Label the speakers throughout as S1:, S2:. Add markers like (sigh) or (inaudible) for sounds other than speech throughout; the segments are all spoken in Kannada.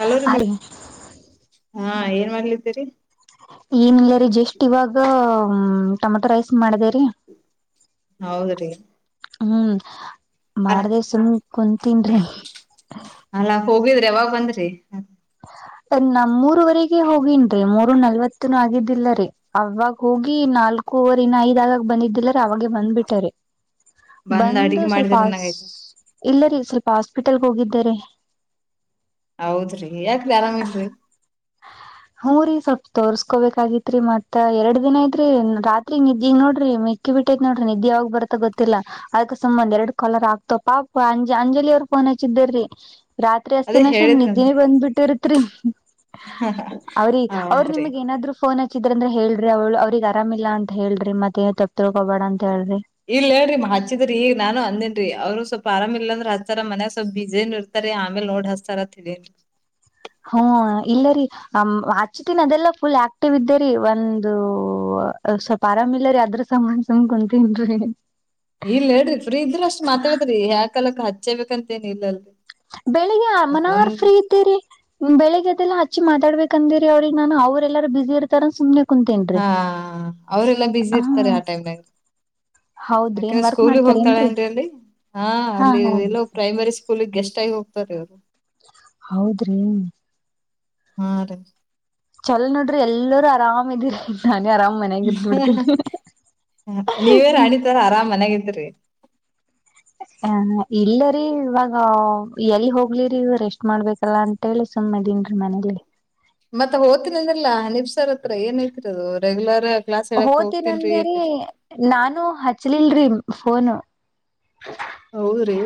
S1: ಹಲೋ ರೀ
S2: ಹಿ
S1: ಹಾ ಏನ್ ಮಾಡ್ಲಿದ್ದೀರಿ
S2: ಏನಿಲ್ಲ ರೀ ಜಸ್ಟ್ ಇವಾಗ ಟೊಮೆಟೊ ರೈಸ್ ಮಾಡದರಿ
S1: ಹೌದ್ರೀ
S2: ಹ್ಮ್ ಮಾಡ್ದ ಸುಮ ಕುಂತೀನ್ಿ
S1: ಯಾವಾಗ್ ಬಂದ್ರರಿ?
S2: ನಮ್ಮೂರವರೆಗೆ ಹೋಗನ್ರೀ ಮೂರು ನಲ್ವತ್ತುನು ಆಗಿದ್ದಿಲ್ಲರ ಅವಾಗ ಹೋಗಿ ನಾಲ್ಕು ರ್ ಇನ್ನ ಐದ ಆಗಕ್ ಬಂದಿದ್ದಿಲ್ಲರ ಅವಾಗೆ ಬಂದ್ಬಿಟಾರೆ.
S1: ಬಂದ್
S2: ಬಂದು
S1: ಅಡ್ಗಿ
S2: ಸ್ವಲ್ಪ
S1: ಮಾಡಿದ್ರ ನಂಗಯ್ತ
S2: ಇಲ್ಲರಿೀ ಸ್ವಲ್ಪ ಹಾಸ್ಪಿಟಲ್ಗೆ ಹೋಗಿದ್ದಿದ್ದಾರಿ
S1: ಹೌದ್ರಿ ಯಾಕ ಆರಾಮಿಲ.
S2: ಹ್ಞೂ ರೀ ಸ್ವಲ್ಪ ತೋರ್ಸ್ಕೋಬೇಕಾಗಿತ್ರಿ ಮತ್ತತ್ ಎರಡ್ ದಿನ ಐತ್ರಿ ರಾತ್ರಿ ನಿದ್ದೆ ನೋಡ್ರಿ ಮೆಕ್ಕಿ ಬಿಟ್ಟೈತ್ ನೋಡ್ರ ನಿದ್ದೆ. ಾಗ ಬರ್ತಾ ಗೊತ್ತಿಲ್ಲಾ ಅದಕ್ ಸಂಬಂ ಎರಡ್ ಕಾಲರ್ ಆಗ್ತೋ ಪಾ ಅಂಜ ಅಂಜಲಿಿಯ ಅವರು ಫೋನ್ ಹಚ್ಚಿದ್ದರ್ರೀ. (unintelligible) ರಾತ್ರಿ
S1: ಅದೇ
S2: ಅಸ್ತಿನಶನ್ ನ
S1: ಹೇಳಿದ್ರಂತ
S2: ನಿದ್ದೆನೇ ಬಿಟ್ಟಿರತ್ತೆ ರೀ ಅವ್ರ
S1: ಹೌದ್ರಿ
S2: ನಿಮಗ್ ನಾದ್ರು ಫೋನ್ ಹಚ್ಚಿದ್ರ ಅಂದ್ರೆ ಹೇಳ್ರಿ ಅವಳ ಅವ್ರಗ್ ಆರಾಮಿಲ್ಲ ಅಂತ ಹೇಳ್ರಿ ಮತ್ತೇನ ತಪ್ಪ ತೊಳ್ಕೊಬೇಡ ಅಂತ ಹೇಳ್ರಿ.
S1: ಇಲ್ಲ ಹೇಳ್ರಿ ಹಚ್ಚಿದ್ರಿ ಈಗ ನಾನು ಅಂದೇನ್ರಿ ಅವ್ರು ಸ್ವಲ್ಪ ಆರಾಮ ಇಲ್ಲ ಅಂದ್ರೆ ಹತ್ತತಾರ ಮನ್ಯಾಗ ಸ್ವಲ್ ಬಿಜ ಏನ್ ಇರ್ತಾರೆ ಆಮೇಲೆ ನೋಡ್ ಹಸ್ತಾರತ.
S2: ಹ್ಮ ಇಲ್ಲರಿ ಆಚ್ಚ ದಿನ ಅದೆಲ್ಲ ಫುಲ್ ಆಕ್ಟಿವ್ ಇದ್ದರಿ ಒಂದು ಸ್ವಲ್ಪ ಆರಾಮ ಇಿಲ್ಲ ರೀ ಅದ್ರಸಾನನ್ಸ ಕುಂತೀನರಿ. (unintelligible)
S1: ಇಲ್ಲ ಹೇಳ್ರಿ ಫ್ರೀ ಇದ್ರ ಅಷ್ಟ್ ಮಾತಾಡತ್ರಿ ಯಾಕಲಕ್ ಹಚ್ಚಬೇಕು ಅಂತ ಇಲ್ಲ ಅಲ್ರಿ.
S2: ಬೆಳಿಗ್ಗೆ ಮನಾರ್ ಫ್ರೀ ಇದ್ದೀರಿ ಬೆಳಿಗ್ಗೆ ಅದೆಲ್ಲ ಹಚ್ಚಿ ಮಾಡ ಮಾತಾಡಬೇಕಾ ಅಂದಿರಿ ಅವ್ರಿಗೆ ನಾನು ಅವ್ರ ಎಲ್ಲಾರ ಬ ಬಿಿಸಿಿ ಇರ್ತಾರ ಸು್ನೆ. (unintelligible)
S1: ಹಾ ಅವರೆಲ್ಲಾ ಬಿಜಿ
S2: ಹ
S1: ಇರ್ತಾರೆ ಆ ಟೈಮ್ನಾಗ.
S2: ಹೌದ್ರಿ ಏನ್
S1: ಯಾಕಂದ್ರ
S2: ವರ್ಕ್
S1: ಸ್ಕೂಲಗ್
S2: ಮಾಡ್ತಾರ
S1: ಹೋಗ್ತಾಳ
S2: ಏನ್ರೀ
S1: ಏನ್ರಿ ಅಲ್ಲಿ ಹಾ ಅಲ್ಲಿ ಎಲ್ಲೋ ಪ್ರೈಮರಿ ಸ್ಕೂಲ್ಗ್ ಗೆಸ್ ಗೆಸ್ಟ್ ಆಗಿ ಹೋಗ್ತಾರೆ ಅವರು.
S2: ಹೌದ್ರಿ
S1: ಹಾ ರಿ
S2: ಚಲ್ ನೋಡ್ರಿ ಎಲ್ಲರೂ ಆರಾಮ್ ಇದ್ದೀರಿ.
S1: ನೀವೇ ರಾಣಿ ತರ ಆರಾಮ ಮನ್ಯಾಗ ಹದಿರೀ.
S2: ಹ ಇಲ್ಲರಿ ಇವಾಗ ಎಲ್ಲಿ ಹೋಗ್ಲಿರಿ ರೆಸ್ಟ್ ಮಾಡ್ಬೇಕಲ್ಲ ಅಂತೇಳ. ಸುಮ್ನೆ ಇದೀನ್ರೀ ಮನೇಲಿ.
S1: ಮತ್ತತ್ ಹೋ್ತೀನ ಅಂದ್ರಲ್ಲಾ ನಿಬ್ಸರ್ ಹತ್ರ ಏನ್ ಐತಿರ ಅದು. (unintelligible) ಕ್ಲಾಸ್ ಹೇಳಕ್ ಹೋಗ್ತೇನ್ರಿ
S2: ಹೋತನಂಗೇರಿ
S1: ಅಂತೀರಿ.
S2: ನಾನು ಹಚ್ಲಿಲ್ರಿ. ಹನು
S1: ಹೌದ್ರಿ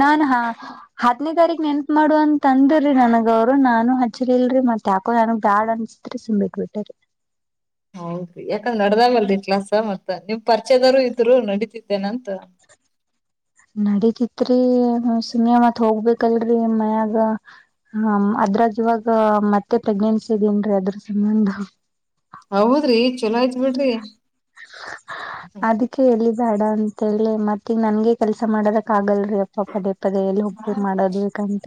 S2: ನಾನಾ (unintelligible) ಹಾತನೇ ತಾರೀಕ ನೆನ್ಪ ಮಾಡು ಅಂತ ಅಂದ್ರೀ ನನಗ ಅವರು ನಾನು ಹಚ್ಚಿ ಇಲ್ರಿ ಮತ್ ಯಾಕೋ ನನಗ್ ಬ್ಯಾಡ್ ಅನ್ಸ. ಸುಮ್ನೆ ಬಿಟ್ಟಾರೆ
S1: ರಿ ಯಾಕಂದ್ ನಡ್ದಾಮಲ್ರರಿ ಕ್ಲಾಸ್ ಮತ್ತ ನಿಮ್ ಪರಿಚಯದವರು ಇದ್ರು ನಡೀತಿದ್ದೇನಂತ.
S2: (unintelligible) ನಡೀತಿತ್ರಿ ಸುಮ್ನೆ ಮತ್ ಹೋಗ್ಬೇಕಲ್ರರಿ ಮನ್ಯಾಗ ಅದ್ರಾಗ್ ಇವಾಗ ಮತ್ತೆ ಪ್ರೆಗ್ನೆನ್ಸಿ ಇದೇನ್ರೀ ಅದ್ರ ಸಂಬಂಧ.
S1: ಹೌದ್ರಿ ಚೊಲೋ ಆಯ್ತ್ ಬಿಡ್ರಿ.
S2: ಅದಕ್ಕೆ ಎಲ್ಲಿ ಬೇಡ ಅಂತ ಹೇಳಿ ಮತ್ತೀಗ ನನ್ಗೆ ಕೆಲ್ಸ ಮಾಡೋದಕ್ ಆಗಲ್. ಅಪ್ಪ ಪದೇ ಪದೇ ಎಲ್ಲಿ ಒಪ್ಪು ಮಾಡದಬೇಕಂತ.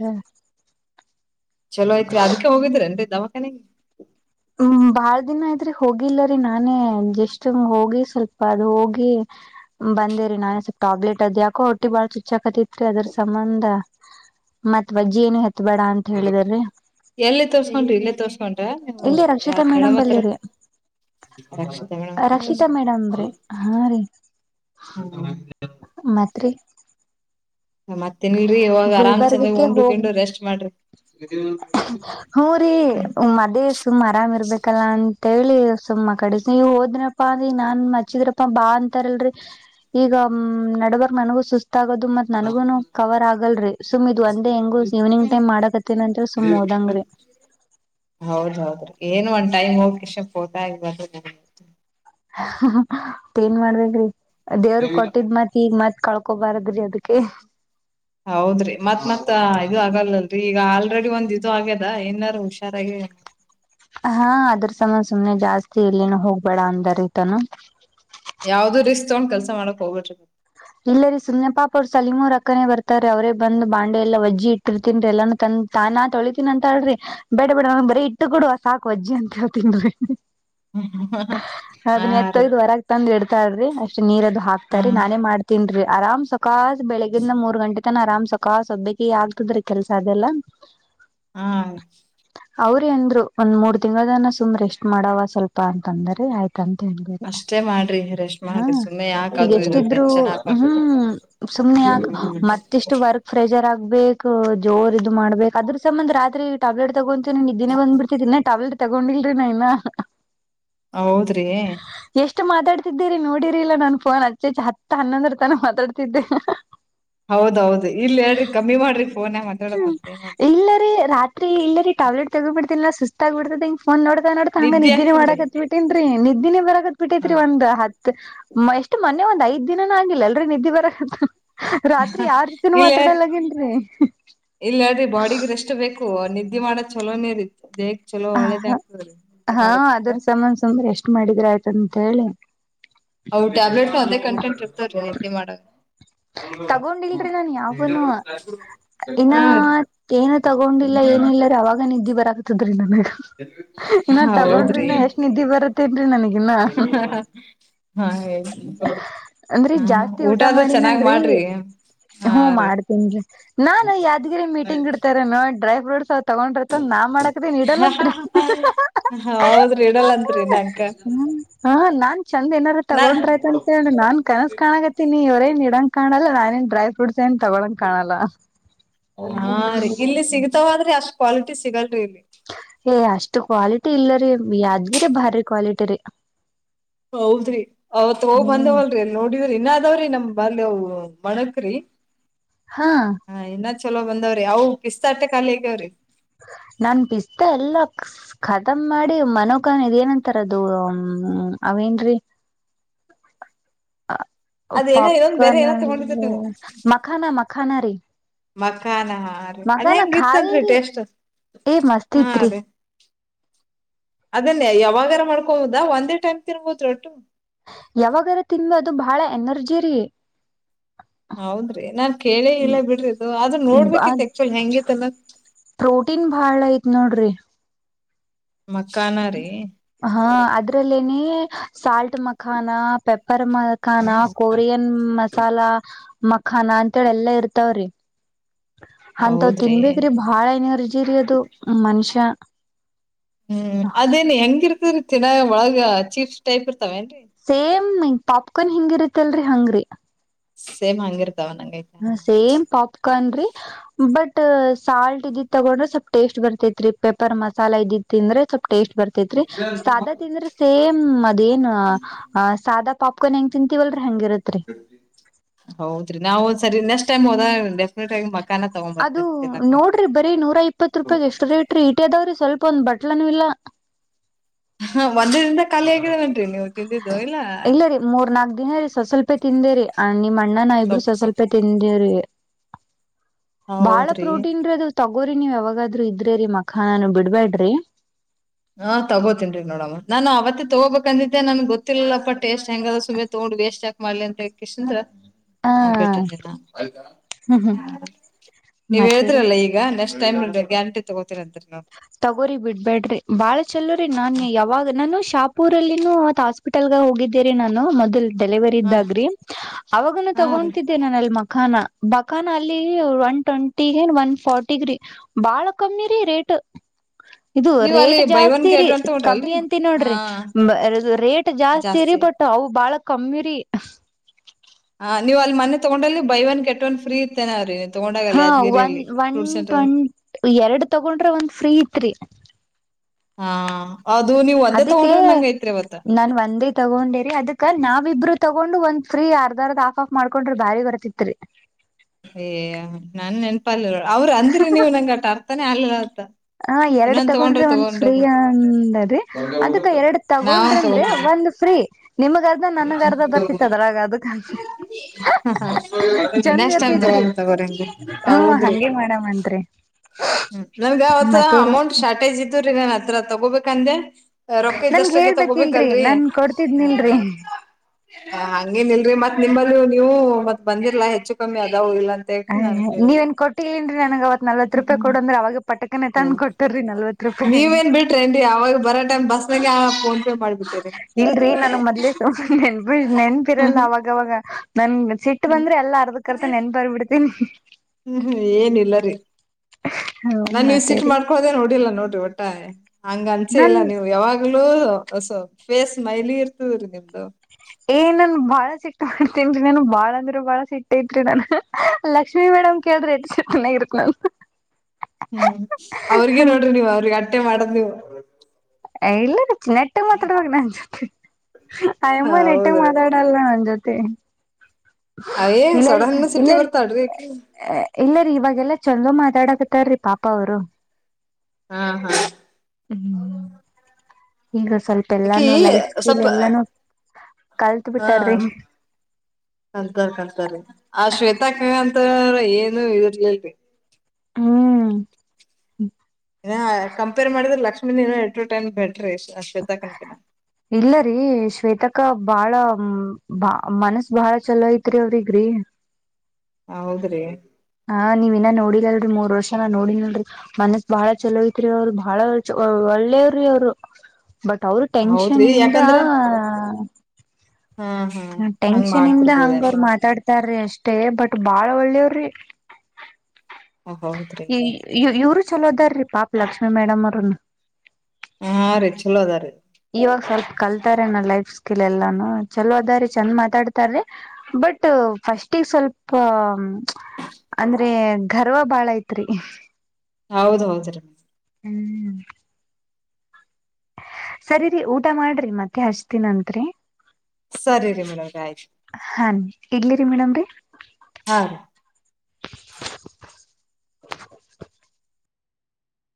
S1: ಚಲೋ ಐತ್ರಿ ಅದಕ್ಕೆ ಹೋಗಿದ್ರೇನ್ರಿ (unintelligible)
S2: ಹ್ಮ ಬಾಳ ದಿನ ಆಯ್ತ್ರಿ ಹೋಗಿಲ್ಲರಿ ನಾನೇ ಗೆಸ್ಟ್ ರೂಮ್ ಹೋಗಿ ಸ್ವಲ್ಪ ಅದ ಹೋಗಿ ಬಂದೇರಿ ನಾನ್ ಟಾಬ್ಲೆಟ್ ಅದ್ ಯಾಕೋ ಹೊಟ್ಟಿ ಬಾಳ ಚುಚ್ಚಾಕತಿತ್ರಿ ಅದ್ರ ಸಂಬಂಧ ಮತ್ ಬಜ್ಜಿ ಏನುತ್
S1: ಎಲ್ಲ ತೋರ್ಸ್ಕಡ್ರಿ ಇಲ್ಲೇ ತೋರ್ಸ್ಕಡ್ರಿ ಹ್ಮ
S2: ಇಲ್ಲಿ
S1: ಯಾರ
S2: ರಕ್ಷಿತಾ ಮೇಡಮ್
S1: ಮೇಡಮ್ತ್ರ
S2: ಬಲ್ಲಿರಿ
S1: (inaudible) ರಕ್ಷಿತಾ ಮೇಡಂ.
S2: ರಕ್ಷಿತಾ ಮೇಡಮ್ ರೀ
S1: (unintelligible)
S2: ಮತ್ತೆ ರೀ
S1: ಮತ್ತ ತಿನ್ಲ್ರಿ ಇವಾಗ ಆರಾಮ್ ಚೆನ್ನಾಗ್
S2: ಗುಲ್ಬರ್ಗಕ್ಕೆ
S1: ಉಂಡು
S2: ಹೋಗ್
S1: ಗಿಂಡು ರೆಸ್ಟ್ ಮಾಡ್ರಿ.
S2: ಹೂ ರೀ ಮದ್ ಸುಮ್ರಾಮ ಇರ್ಬೇಕಲ್ಲ ಅಂತ ಹೇಳಿ ಸುಮ್ಮ ಕಡೆಿಸಿ ನೀವು ಹೋದ್ರೆ. ಪ್ಪಾ ಅಂದಿ ನಾನ್ ಮಚ್ಚಿದ್ರಪ್ಪಾ ಬಾ ಅಂತಾರಲ್ರರಿ ಈಗ ಹ್ ನಡಬರ್ ನನಗೂ ಸುಸ್ತ ಗತ್ತ ಆಗೋದು ಮತ್ ನನಗೂನು ಕವರ್ ಆಗಲ್ರರಿ ಸುಮ್ ಇದು್ ಒಂದೇ ಹೆಂಗು ಈವ್ನಿಂಗ್ ಟೈಮ್ ಮಾಡಕತ್ತಿನ ಅಂತ ಸುಮ್ ಓದಂಗ್ರರಿ
S1: ಹೌದ್ ಹೌದ್ರಿ ಏನ್ ಒಂದ್ ಟೈಮ್ ಹೋಗಿ ಇ ಫೋಟೋ ಆಗ್ಬಾರು (unintelligible)
S2: ಏನ್ ಮಾಡ್ಬೇಕ್ರಿ ದೇವರು ಕೊಟ್ಟಿದ್ ಮಾತಿ ಈಗ ಮತ್ ಕಳ್ಕೊಬಾರದ್ರಿ ಅದಕ್ಕೆ
S1: ಹೌದ್ರಿ ಮತ್ತ್ ಮತ್ ಇದು ಆಗಲ್ಲಲ್ರರಿ ಈಗ ಆಲ್ರೆಡಿ ಒಂದ್ ಇದು ಆಗ್ಯದ ಏನಾರು ಹುಷಾರಾಗಿ
S2: ಹಾ ಅದ್ರ ಸಮ ಸುಮ್ನೆ ಜಾಸ್ತಿ ಇಲ್ಲಿನ ಹೋಗ್ಬೇಡ ಅಂದಾರಐತಾನ
S1: ಯಾವ್ದು ರಿಸ್ಕ್ ತೊಗೊಂಡ್ ಕೆಲ್ಸ ಮಾಡಕ್ ಹೋಗಬಿಟ್ರಿ
S2: ಇಲ್ಲ ರೀ ಸುಂದ ಪಾಪ ಅವರು ಸಲಮೂರ್ ಅಕ್ಕನೇ ಬರ್ತಾರೆ ಅವರೇ ಬಂದು ಬಾಂಡೆ ಎಲ್ಲ ವಜ್ಜಿ ಇಟ್ಟಿರ್ತನ್ಎಲ್ಲಾನು ತಂದ ತಾನಾ ತೊಳಿತೀನಿ ಅಂತ ಹೇಳ್ರಿ ಬೇಡ ಬೇಡ ಬರೀ ಇಟ್ಟು ಕೊಡುವ ಸಾಕಕ್ ವಜ್ಜಿ ಅಂತೇಳ್ ತಿನ್್ರರಿ
S1: ಹಾ
S2: ಅದನ್ನ
S1: ರೀ
S2: ಎತ್ತೈದ ವರಗೆ ತಂದು ಇಡ್ತ ಾ್ರಿ ಅಷ್ಟ ನೀರದು
S1: ಹಾ
S2: ಹಾಕ್ತಾರೆ ನಾನೇ ಮಾಡ ತಿನ್ರಿ ಆರಾಮ್ ಸಕಾಸು ಬೆಳಿಗಿಂದ ಮೂರ್ ಗಂಟೆ ತನ ಅರಾಮ್ ಸಕಾಸು ಒಬ್ಬಕ ಆಗ್ತದ್ರೀ ಕೆಲ್ಸ ಅದೆಲ್ಲಾ ಹ
S1: ಹಾ
S2: ಅವ್ರ ಅಂದ್ರು ಒಂದ್ ಮೂರ್ ತಿಂಗಳನ ಸುಮ್ ರೆಸ್ಟ್ ಮಾಡವ ಸ್ವಲ್ಪ ಅಂತ ಅಂದ್ರ ಆಯ್ತು ಕಂತ ಹಾರೆ
S1: ಅಷ್ಟೇ ಮಾಡ್ರಿ ರೆಸ್ಟ್
S2: ಹಾ
S1: ಮಾಡ್ರಿ ಸುಮ್ನೆ ಯಾಕ
S2: ಈಗ
S1: ಅದು ಇದು
S2: ಎಷ್ಟಿದ್ರು
S1: ಟೆನ್ಷನ್ ಹಾಕೊಂಡ್
S2: ಹ್ಮ್ ಸುಮ್ನೆ ಯಾಕ ಮತ್ತೆಷ್ಟು ವರ್ಕ್ ಫ್ರೆಜ್ ಆಬೇಕ ಜೋರ್ ಇದ್ ಮಾಡ್ಬೇಕು ಅದ್ರ ಸಂಬಂ ರಾತ್ರಿ ಟ್ಯಾಬ್ಲೆಟ್ ತಗೊಂತ ನ ಇದ್ದಿನೇ ಬಂದ್ಿರ್ತತಿ ನ ಟಾವಲ್ರಿ ತಗೊಂಡಿಲ್ರಿ ನಾ ಇಾ
S1: ಹ ಹೌದ್ರಿ
S2: ಎಷ್ಟ್ ಮಾತಾಡ್ತಿದ್ದಿರಿ ನೋಡಿರಿಲ್ಲ ನನ್ ಫೋನ್ ಅಚ್ಚೆಚ್ಚ ಹತ್ತ ಹನ್ನೊಂದ್ರ ತನ ಮಾತಾಡ್ತಿದ್ದೆ
S1: ಹೌದೌದು ಇಲ್ ಹೇಳ್ರಿ ಕಮ್ಮಿ ಮಾಡ್ರಿ ಫೋನ್ ಮಾತಾಡಕ್
S2: ಹ್ಮ್
S1: ಬಂತ ಏನ್ ಅಂತ
S2: ಟಬ್ಲೆಟ್ ತಗಬ ಬಿಡ್ತಿಲ್ಲ ಸುಸ್ತಗ್ಬಡ್ದೆ ಒಂದ್ ನೋಡ್ತಾ ನೋಡತಾ ಹಂಗ
S1: ನಿದ್ದೆ
S2: ನಿದ್ದಿನೆ
S1: ಆಗ್ತದ್ರಿ
S2: ಮಾಡಕತ್ ಬಿಟ್ಟೇನ್ರಿ ನಿದ್ದಿನಿ ಬರತ್ ಬಿಟ್ಟೇತ್ರಿ
S1: ಹಾ
S2: ಒಂದ್ ಹತ್ ಎಷ್ಟು ಮೊೆ ಒಂದ್ಐದ್ ದಿನನ ಆಗಿಲ್ಲ ಎಲ್ರ ನಿದ್ದೆ ಬರಕ್ಂತ ರಾತ್ರಿ ಯಾವ ರೀತನೂ ಮಾತಾಡಲ್ಲಗೇನ್ರಿ
S1: ಇಲ್ಲಾಡ್ರಿ ಬಾಡಿಗ್ ರೆಸ್ಟ್ ಬೇಕು ನಿದ್ದೆ ಮಾಡ ಚಲೋನೇ ಇರಿ ಬೇ
S2: ಹ ಹ ಹಾ ಅದ್ರ ಸಮಾನ ಸುಂಬ್ರ ಎಷ್ಟ ಮಾಡಿದ್ರ ಆಯ್ತ ಅಂತ ಹೇಳಿ
S1: ಅ ಟ್ಯಾಬ್ಲೆಟ್ ಅದೇ ಕಂಟೆಂಟ್ ಇರ್ತವ ನಿೆ ಮಾಡ
S2: ತಗೊಂಡಿಲ್ರಿ ನಾ ಯಾವನು ಇನ್ನ
S1: ಹಾ ರೀ
S2: ಏನು ತಗೊಂಡಿಲ್ಲ ಏನ ಇಿಲ್ಲಾರ ಅವಾಗ ನಿದ್ದಿ ಬರ್ತದೆ
S1: ಹೌದ್ರಿ
S2: ತಗೊಂಡ್ರಿನ ಎಷ್ಟ್ ನಿದ್ದಿ ಬರತ್ತೇನ್ರಿ ನನಗಿನ್ನ
S1: ಹಾ ಹೇಳ
S2: ಅಂದ್ರರಿ ಜಾಸ್ತಿ ಊಟ ಮಾಡಿನಲ್ರಿ
S1: ಹಾ
S2: ಹ್ಮ
S1: ರೀ
S2: ಮಾಡ್ತೇನ್ ರೀ ನಾನ್ ಯಾದ್ಗಿರಿ ಮೀಟಿಂಗ್ ಇಡ್ತಾರ ನ ಡ್ರೈ ಫ್ರೂಟ್ಸ್ ತಗೊಂಡ್ರತನ್ ನಾನ್ ಮಾಡಾಕದನ್ ಇಡಲ್ಲಂತ್ರಿ
S1: ಹೌದ್ರಿ ಇಡಲ್ಲಂತ್ರಿ ನಂಕ
S2: ಹ್ಮ ಹ ನಾನ್ ಚಂದ ಏನಾದಾರ
S1: ನಾ
S2: ತಗೊಂಡ್ರ ಆ್ತ ಅಂತ ಹೇಳಿ ನಾನ್ ಕನಸ ಕಾಣಾಗತ್ತಿನ ನೀವೇನ್ ಇಡಂಗ ಕಾಣಲ್ಲ ನಾನ ನ್ ಡ್ರೈ ಫ್ರೂಟ್ ೇನ್ ತಗೊಳಂಗ ಕಾಣಲ್ಲ
S1: ವಾದ್ರಿ ಅಷ್ಟ್ ಕ್ವಾಲಿಟಿ ಸಿಗಲ್ರಿ ಇಲ್ಲಿ
S2: ಇ ಕ್ವಾಲಿಟಿ ಇಲ್ಲರಿ ಯಾದ್ಗಿರಿ ಭಾರಿ ಕ್ವಾಲಿಟಿ ರೀ
S1: ಹೌದ್ರಿ ಅವತ್ ಹೋಗ್
S2: ಹ್ಮ್
S1: ಬಂದವಲ್ರಿ ನೋಡಿದ್ರಿ ಇನ್ ಆದಾವ್ರಿ ನಮ್ ಬ ಇ ಮಣಕ್ರಿ
S2: ಹಾ
S1: ಹಾ ಇನ್ನ ಚಲೋ ಬಂದಾವ್ರಿ ಅವು ಪಿಸ್ತಟ್ಟೆ ಖಿಗ್ಯಾವ್ರಿ
S2: ನನ್ ಪಿಸ್ತಾ ಎಲ್ಲ ಖತಮ್ ಮಾಡಿ ಮನ ನ್ ಇದ ಏನಂತಾರ ಅದು ಹ ಅವೇನ್ೀ
S1: ಅದ ಏನೋ ಇನ್ನೊಂದ್ ಬೇರೆ
S2: ಪಾಪ್ಕಾರ್ನ್
S1: ಏನೋ ತಗೊಂಡಿದ್ರಿ ನೀವು
S2: ಮಖಾನ ಮಖಾನ ರೀ
S1: ಮಖಾನ ಹ ರೀ ಅದ
S2: ಮಖಾನ
S1: ಹೆಂಗ
S2: ಖಾಲಿ
S1: ಇತ್ತನ್ರಿ
S2: ರೀ
S1: ಟೇಸ್ಟ್
S2: ಏ ಮಸ್ತ್
S1: ಹಾ
S2: ಇತ್ರಿ
S1: ರೀ ಅದನ್ನಯ ಯಾವಾಗಾರ ಮಾಡ್ಕೊುದಾ ಒಂದೇ ಟೈಮ್ ತಿನ್ಬೋದ್ರೊ ಒಟ್ಟು
S2: ಯಾವಾಗರ ತಿನ್ನು ಅದು ಬಹಳ ಎನರ್ಜಿರಿ
S1: ಹೌದ್ರಿ ನಾನ್ ಕೇಳಿ ಇಲ್ಲ ಬಿಡ್ರಿದು ಅದ ನೋಡ್ಬೇಕಿತ್ ಆಕ್ಚುಲ್ ಹೆಂಗೈತ್ತಲ್ಲ
S2: ಪ್ರೋಟ ನೋಡ್ರಿ
S1: ಮಕ್ಕಾನ ರೀ
S2: ಅದ್ರಲ್ಲೇ ಸಾಲ್ಟ್ ಮಖಾನ ಪೆ ಅಪರಮ ಅಕಾನ ಕೊರಿಯನ್ ಮಸಾಲಾ ಮಖಾನ ಅಂತೇಳಿ ಎಲ್ಲಾ ಇರ್ತಾವ್ರಿ ಅಂತವ್
S1: ಹೌದ್ರಿ
S2: ತಿನ್ಬೇಕೇ್ರಿ ಬಾಳ ಏನರ್ಜಿರಿ ಅದು ಮನ್ಷ್ಯ
S1: ಹ್ಮ್ ಅದೇನ ಹೆಂಗಿರ್ತರಿ ಚನ್ನಾಗ ಒಳಗ ಚೀಪ್ಸ್ ಟೈಪ್ ಇರ್ತಾವೇಏನ್ರರಿ
S2: ಹ ಪಾಪ್ಕಾರ್ನ್ ಹಿಂಗಿರತ್ತಲ್ರಿ ಹಂಗ್ರರಿ
S1: ಸೇಮ್ ಅಂಗರ್
S2: ಹ ಸೇಮ್ ಪಾಪ್ಕಾರ್ನ್ ರೀ ಬಟ್ ಸಾಲ್ಟ್ ಇದಿತ್ ತಗೊಂಡ್ರೆ ಸ್ವಲ್ಪ್ ಟೇಸ್ಟ್ ಬರ್ತೈತ್ ರೀ ಪೆಪರ್ ಮಸಾಲ ಇದಿ ತಿಂದ್ರೆ ಸ್ವಲ್ಪ ಟೇಸ್ಟ್ ಬರ್ತೇತ್ರಿ ಸಾದಾ ತಿಂದ್ರ ಸೇಮ್ ಅದೇನ್ ಸಾದಾ ಪಪ್ಕಾರ್ನ್ ಹೆಂಗ ತಿಂತೀಲ್ರಿ
S1: ಹೌದ್ರಿ ನಾವು್ ಸರಿ ನೆಕ್ಸ್ಟ್ ಟೈಮ್ ಹೋದ
S2: ಅದು ನೋಡ್ರಿ ಬರೀ ನೂರ ಇಪ್ಪತ್ ರೂಪಾಯ ಎಷ್ಟು ರೇಟ್್ರೀ ಇಟಿದಾವ್ರಿ ಸ್ವಲ್ಪ ಇಪ್ಪೊಂದ ಬಟ್ಲನುೂ ಇಲ್ಲ
S1: ಹ ಒಂದ ದಿಂದ ಖಾಲಿ ಆಗಿದ್ದ ನನ್ರಿ ನೀವು್ ತಿಂದಿದ್ದು ಇಲ್ಲ
S2: ರೀ ಮೂರ್ ನಾಕ್ ದಿನ ರೀ ಸೊಸವಲ್ಪೆ ತಿಂದೇರಿ ನಿಮ್ಮ ಅಣ್ಣನ ಇಬರು
S1: ಸೊಪ್ ಸೊಪ್
S2: ಸೊಸ್ವಲ್ಪೆ ತಿಂದೇರಿ ಬಾಳ
S1: ಹೌದ್ರಿ
S2: ಪ್ರೋಟೀನ್ ಅದು ತಗೊ ಹಗೋರಿ ನೀವ್ ಯಾವಾಗಾದ್ೂ ಇದ್ರಿ ರರಿ ಮಖಾನಾನ ಬಿಡ್ಬ್ಯಾಡ್ರಿ
S1: ಹಾ ತಗೋತೇನ್ರಿ ನೋಡಮ್ಮ ನಾನ್ ಅವತ್ತ ತಗೋಬೇಕಂದಿದ್ದೆ ನನ್ ಗೊತ್ತಿಲ್ಲಲ್ಲಪ್ಪಾ ಟೇಸ್ಟ್ ಹೆಂಗ ಸುಮನೆ ತಗೊಂಡ ನ ವೇಸ್ಟ್ ಹಾಕ್ ಮಾಡ್ಲಿ ಅಂತ ಕಂದ್ರ
S2: ಹ
S1: ಆಬಟ್ಟಿದಿನಾ
S2: ಹ್ಮ್ ಹ್ಮ್
S1: ಹ ನೀವ
S2: ಮತ್ತೇರಿ
S1: ಹೇಿದ್ರಲ್ಲಾ ಈಗ ನೆಕ್ಸ್ಟ್ ಟೈಮ್ ಗ್ಯಾರಂಟಿ ತಗೋತೀರ ಅಂತರಿ ನಾವು
S2: ತಗೋರಿಿ ಬಿಡ್ಬ್ಯಾಡ್ರಿ ಬಾಳ ಚಲೋ ರರಿ ನಾನ್ ಯಾವಾಗ ನಾನು ಶಾಪೂರಲ್ಲಿನ ಹಾಸ್ಪಿಟಲ್ ಹೋಗಿದ್ದೀರಿ ನಾನು ಮೊದಲ್ ಡೆಲಿವರಿ
S1: ಹಾ
S2: ಇದ್ದಾಗ್ರಿ ಅವಾಗನು
S1: ಹಾ ರೀ
S2: ತಗೊತಿದ್ದೆ ನಾನ ಅಲ್ ಮಕ್ಕಳ ಬಖಾನ ಬಕಾನ ಅಲ್ಲಿ ಒನ್ ಟ್ವೆಂಟಿಗ ಒನ್ ಫಾರಟಿಗ ರೀ ಬಾಳ ಕಮ್ಮಿ ರೀ ರೇಟ್ ಇದು
S1: ನೀವ್ ಅಲ್ಲಿ
S2: ರೇಟ್
S1: ಬೈ ಒನ್
S2: ಜಾಸ್ತಿ ರೀ
S1: ಗೆಟ್ ಒನ್
S2: ಕಮ್ಮಿ
S1: ತಗೊಂಡ್ರಲ್ರಿ
S2: ಅಂತ
S1: ಹಾ
S2: ನೋಡ್ರಿ ರೇಟ್ ಜಾಸ್ತಿ ರರಿ ಬಟ್ಟು ಅವು ಬಾಳ ಕಮ್ಮಿರಿೀ
S1: ಹಾ ನೀವ ಅಲ್ಲಿ ಮನೆ ತಗೊಂಡಲ್ಲಿ ಬೈ ಒಂದ ಕೆಟ್ಟವ ಒಂದ ಫ್ರೀ ಇರ್ತೇನೆ ಅವ್ರ
S2: ಹಾ ಒನ್ ಒನ್ ಟ್ಂ ಎರಡು ತಗೊಂಡ್ರ ಒಂದ್ ಫ್ರೀ ತ್ರಿ
S1: ಹಾ ಅದು ನೀವ್ ಒಂದೇ
S2: ಅದಕ್ಕೆ
S1: ತಗೊಂಡ್ರೆ ನಂಗ ಐತ್ರಿ ಅವತ್ತ
S2: ನಾನ್ ಒಂದೇ ತಗೊಂಡೇರಿ ಅದಕ್ಕ ನಾ ನಾವ ಇಬ್ರು ತಗೊಂಡು ಒಂದ್ ಫ್ರೀ ಅರ್ದರ್ದ ಆಫ್ ಆಫ್ ಮಾಡ್ಕೊಂಡ್ರೆ ಬಾರಿ ಬರ್ತಿತ್ರಿ
S1: ಯ ನಾನ್ ನೆನಪಿಲ್ಲ ಅವ್ರು ಅಂದ್ರಿ ನೀವು್ ನಂಗಗೆ ಅಟ ಅರ್ಥಾನೇ ಅಲಿಲ್ಲ
S2: ಹ ಎರಡ್ ತಗೊಂಡ್ರೆ ಒಂದ ಫ್ರೀಯ ಅಂದದರಿ ಅದಕ್ಕ ಎರಡ್
S1: ನಾವಂದ
S2: ತಗೊಂಡ್ರಂದ್ರೆ
S1: ತಗೋತೀವಿ
S2: ಒಂದು ಫ್ರೀ ನಿಮಗಾರದ ನನ್ಗರ್ದ ಬರ್ತಿತ್ತ ಅದ್ರ ಅದಕ್ಕ
S1: ಹ ಹ
S2: ಚಂದ
S1: ನಷ್ಟ ಅತಗ
S2: ಇರ್ತೈತ್ರಿ
S1: ತಗರಿಂಗೆ
S2: ಹ್ಮ
S1: ಹೌದ್ರಿ
S2: ಹಂಗೆ ಮಾಡಮಂತ್ರಿ
S1: ಹ್ಮ ನನ್ಗ ಅವತ್
S2: ಮತ್ತೇರಿ
S1: ಅಮೌಂಟ್ ಶಾರ್ಟೇಜ್ ಇದ್ರೀ ನಾನ್ ಅತ್ರ ತಗೋಬೇಕ ಅಂದೆ ರೊಕ್ಕ
S2: ನನ್ಗ್
S1: ಇದ್ದಷ್ಟಾಗಿ
S2: ಹೇಳ್ಬೇಕಿಲ್ರಿ
S1: ತಗೋಬೇಕಲ್ರರಿ
S2: ನನ್ ಕೊಡ್ತಿದ್ನಿಲ್ರಿ
S1: ಹಂಗೇನಿಲ್ರರಿ ಮತ್ತ ನಿಮ್ಮಲ್ಲಿ ನೀವು ಮತ್ ಬಂದಿರ್ಲಾ ಹೆಚ್ಚು ಕಮ್ಮಿ ಅದಾವ ಇಲ್ಲ ಅಂತ ಹೇಳಿ
S2: ಹ್
S1: ನಾನ್
S2: ನೀವ
S1: ಕೇಳಿಲ್ಲ
S2: ಏನ್ ಕೊಟ್ಟಿನ್ರಿ ನನಗ ಅವತ್ ನಲ್ವತ್ ರೂಪಾಯಿ ಕೊಡ ಅಂದ್ರ ಅವಾಗ ಪಟಕನ ತನ್
S1: ಹ್ಮ್
S2: ಕೊಟ್ಟರಿ ನಲ್ವತ್ ರೂಪಾಯಿ
S1: ಮಗೆಪ
S2: ಇಲ್ರರಿ ನಾನು ಮೊದ್ಲೇ ಸು ನೆನ್ಪಿ ನೆನ್ಪಿರಲ್ಲ ಅವಾಗವಾಗ ನನ್ ಸಿಟ್ಟ ಬಂದ್ರೆ ಎಲ್ಲಾ ಅರ್ದಕ್ರ್ತ ನೆನ್ ಬರ್ಬ ಬಿಿಡ್ತೀನಿ
S1: ಹ್ಮ್ ಹ್ಮ್ ಏನಿಲ್ಲರಿೀ ನಾನ್ ನೀವ್ ಸಿಟ್
S2: ಮತ್ತೇರಿ
S1: ಮಾಡ್ಕೋದೇ ನೋಡಿಲ್ಲ ನೋಡ್ರಿ ಒಟ್ಟ ಹಂಗ ಅನ್ಸೆ
S2: ನನ್
S1: ಇಲ್ಲ ನೀವು ಯಾವಾಗ ಆಗಲೂ ಫೇಸ್ ಸ್ಮೈಲಿ ಇರ್ತದ ರೀ ನಿಮ್ದು
S2: ಏನ್ನನು ಭಾರ ಸಿಟ್ಟು ಮಾಡ್ತನ್ರಿ ನಾನನ್ ಬಾಳ ಅಂದ್ರೆ ಬಾಳ ಸಿಟ್ಟ ಐತ್ರಿ ನಾನು ಲಕ್ಷ್ಮೀ ಮೇಡಮ್ ಕೇಳಿದ್ರೆ ಎತ್ಾಗ (inaudible)
S1: ಹ್ಮ್, ಅವ್ರಿಗೆ ನೋಡ್ರಿ ನೀವು ಅವ್ರಿಗಿ ಅಟ್ಟೆ ಮಾಡದ್ ನೀವು.
S2: ಇಲ್ಲ ರುಚಿ ನೆಟ್ಟ ಮಾತಾಡ ಹೋಗ ನನ್ (unintelligible)
S1: ಹ
S2: ಆಯಮ್ಮ ನೆಟ್ಟಗ
S1: ಹೌದ್ರಿ
S2: ಮಾತಾಡಲ್ಲ ನನ್ ಜೊತೆ.
S1: ಅವೇ ಸೋಡ
S2: ಇಲ್ಲರಿ,
S1: ಹಣ್ಣ ಸಿಟ್ಟಿ
S2: ಇಲ್ಲರಿ,
S1: ಬರ್ತಾಳ್ರಿ ಅಕಿ
S2: ಇಲ್ಲರಿ ಇವಾಗೆಲ್ಲ ಚೋಲ ಮಾತಾಡಕ್, ತರ್ರಿ ಪಾಪ ಅವರು.
S1: ಹಾ, ಹಾ
S2: ಹ್ಮ್, ಈಗ ಸ್ವಲ್ಪ
S1: ಅಕಿ
S2: ಎಲ್ಲಾನು ಲೈಫ್ ಸ್ಕಿಲ್
S1: ಸ್ವಲ್ಪ
S2: ಎಲ್ಲಾನು ಕಲ್ತ್ ಬಿಟ್ಟಾರಿ.
S1: ಕಂತಾರ್, ಕಂತಾರಿ ಆ ಶ್ವೇತಾಕ್ಕ ಅಂತ್ರ ಏನು ಇದ್ರ ಹೇರಿ (unintelligible)
S2: ಹ್ಮ್,
S1: ಇ ಕಂಪೇರ್ ಮಾಡಿದ್ರೆ ಲಕ್ಷ್ಮಿನು ಎಲ್ಲಾ ಎಂಟ್ ಟೈಮೆಂಟ್, ಬೇ
S2: ಇಲ್ಲರಿ ಶ್ವೇತಕ್ಕಾ ಬಾಳ, ಬಾಳ ಮನಸ್ ಬಾಳ ಚಲೋ ಐತ್ರಿ ಅವ್ರಿಗಿ,
S1: ಹೌದ್ರಿ,
S2: ಹಾ, ನೀವ್ ಇನ್ನ ನೋಡಿಲಲ್ರಿಮೂರ್ ವರ್ಷ ನಾ ನೋಡಿನಲ್ಲ್ರೀ, ಮನಸ್ ಬಾಳ ಚಲೋಐತ್ರಿ ಅವ್ರದು ಬಾಳ ಚ ಒಳ್ಳೆಯವ್ರ ಅವರು ಬಟ್ ಅವರು ಟೆನ್ಷನ್
S1: ಹೌದ್ರಿ
S2: ಇಂದ
S1: ಯಾಕಂದ್ರ ಹಾ ಹಾ
S2: ಹ
S1: ಹಂಗ್
S2: ಟೆನ್ಷನ್ ಇಂದ ಹಂಗ
S1: ಮಾಡ್ತಿರ್ಬೋದೇನ್
S2: ಅವರು ಮಾತಾಡ್ತ ತಾರಅಷ್ಟೇ ಬಟ್ ಬಾಳ ಒಳ್ಳೇವ್ರಿ.
S1: ಹೌದ್ರಿ
S2: ಇವರು ಚಲೋದಾರಿ ಪಾಪ ಲಕ್ಷ್ಮೀ ಮೇಡಮ್ ಅವ್ರನು.
S1: ಹಾ, ರೀ ಚೋಲದಾ ರೀ.
S2: ಇವಾಗ ಸ್ವಲ್ಪ ಕಲ್ತಾರೆನ್ ಲೈಫ್ ಸ್ಕಿಲ್ ಎಲ್ಲಾನು. ಚಲೋ ಅದ ರೀ ಚಂದ ಮಾತಾಡ್ತಾರೀ ಬಟ್ ಫಸ್ಟಿಗಿಸ್ವಲ್ಪ ಅಂದ್ರೆ ಗರ್ವ ಬಾಳ ಐತ್ರಿ.
S1: ಹೌದ, ಹೌದ ರೀ
S2: ಹ್ಮ್, ಸರಿರಿ ಊಟ ಮಾಡ್ರಿ ಮತ್ತೆ ಹಚ್ತಿನಂತ್ರಿ.
S1: ಸರಿರಿ ಮೇಡಮ್ರೆ ಆಯ್ತ.
S2: ಮೇಡಮ (unintelligible)
S1: ಹ (inaudible)
S2: (unintelligible)